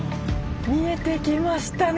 見えてきましたね！